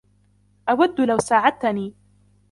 أود لو ساعدتني.